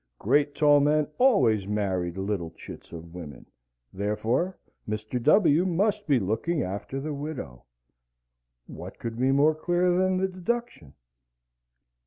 Great tall men always married little chits of women: therefore, Mr. W. must be looking after the widow. What could be more clear than the deduction?